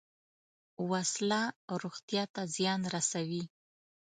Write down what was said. وسله روغتیا ته زیان رسوي